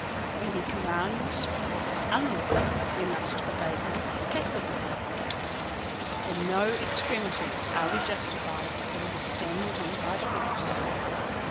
When he commands what is unlawful we must obey him passively. In no extremity are we justified in withstanding him by force.